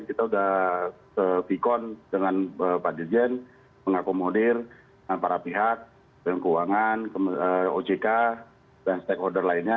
kita sudah se pikon dengan bapak dirjen mengakomodir dengan para pihak dengan keuangan ojk dan stakeholder lainnya